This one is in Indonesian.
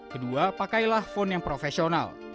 kedua pakailah phone yang profesional